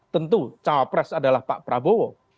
tentu cawapres adalah pak prabowo